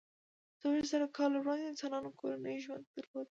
څلویښت زره کاله وړاندې انسانانو کورنی ژوند درلود.